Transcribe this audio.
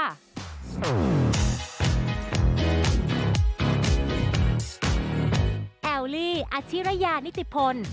แอลลี่อาชิระยานิติพล